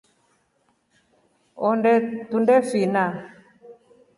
Onde tunefina.